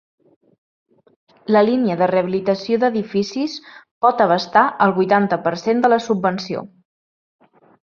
La línia de rehabilitació d’edificis pot abastar el vuitanta per cent de la subvenció.